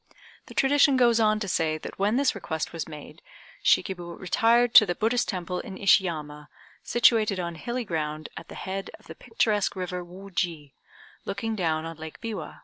The tradition goes on to say that when this request was made Shikib retired to the Buddhist temple in Ishiyama, situated on hilly ground at the head of the picturesque river Wooji, looking down on Lake Biwa.